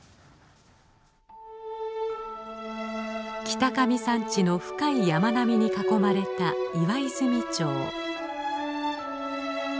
北上山地の深い山並みに囲まれた岩泉町。